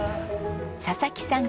佐々木さん